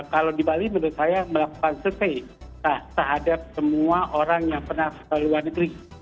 kalau di bali menurut saya melakukan survei terhadap semua orang yang pernah ke luar negeri